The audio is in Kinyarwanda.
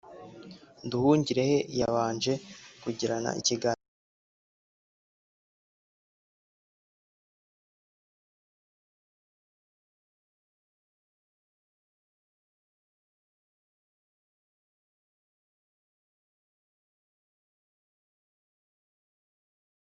Nduhungirehe yabanje kugirana ikiganiro n’umuyobozi w’Umujyi wa Blankenberge